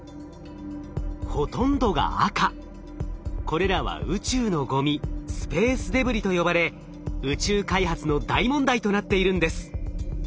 これらは宇宙のゴミスペースデブリと呼ばれ宇宙開発の大問題となっているんです。